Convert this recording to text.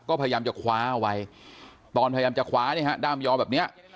ก็พยายามจะคว้าเอาไว้ตอนพยายามจะคว้าเนี่ยฮะด้ามยอมแบบนี้